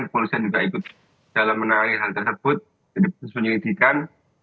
polisian juga ikut dalam menangani hal tersebut jadi proses penyelidikan